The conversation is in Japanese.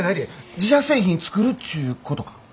自社製品作るっちゅうことか？